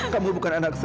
kamu bukan anak saya